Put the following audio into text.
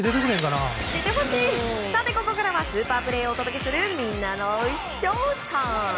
さてここからはスーパープレーをお届けするみんなのＳＨＯＷＴＩＭＥ。